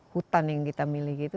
hutan yang kita miliki itu